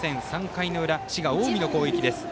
３回の裏、滋賀・近江の攻撃。